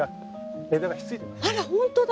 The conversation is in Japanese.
あら本当だ。